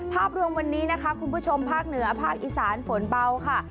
ภาพรวมวันนี้นะคะคุณผู้ชมภาคเหนือภาคอีสานฝนเบาค่ะ